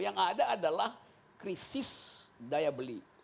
yang ada adalah krisis daya beli